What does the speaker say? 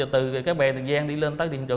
từ cái bè tầng gian đi lên tới điểm chỗ đâu